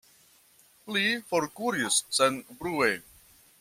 Li forkuris senbrue.